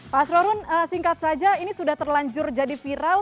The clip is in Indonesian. pak asrorun singkat saja ini sudah terlanjur jadi viral